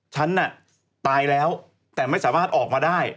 ฉันน่ะตายแล้วแต่ไม่สามารถออกมาได้